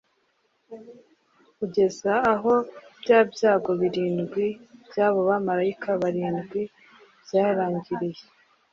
kugeza aho bya byago birindwi by’abo bamarayika barindwi byarangiriye